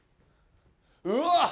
うわっ。